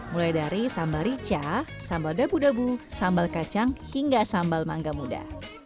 mulai dari sambal rica sambal dabu dabu sambal kacang hingga sambal mangga muda